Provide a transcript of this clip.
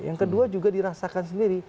yang kedua juga dirasakan sendiri